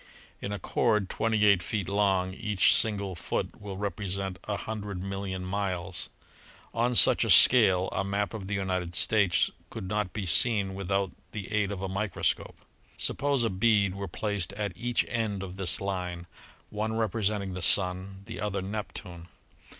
In a cord twenty eight feet long each single foot will represent a hundred million miles. On such a scale a map of the United States could not be seen without the aid of a microscope. Suppose a bead were placed at each end of this line, one representing the Sun, the other Nep tune.